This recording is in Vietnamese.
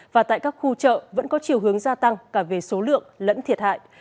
và tại các khu chợ vẫn có chiều hướng gia tăng cả về số lượng lẫn thiệt hại